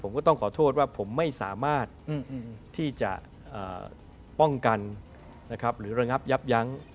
ผมก็ต้องขอโทษว่าผมไม่สามารถที่จะป้องกันหรือระงับยับยั้ง